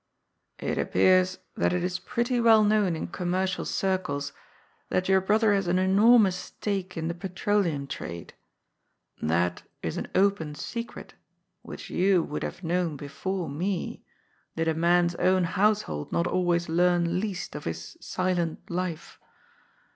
"It appears that it is pretty well known in commercial circles that your brother has an enormous stake in the petroleum trada That is an open secret which you would have known before me, did a man's own household not always learn least of his 'silent' life.